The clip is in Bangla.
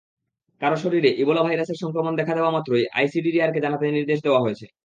কারও শরীরে ইবোলা ভাইরাসের সংক্রমণ দেখা দেওয়ামাত্রই আইইডিসিআরকে জানাতে নির্দেশ দেওয়া হয়েছে।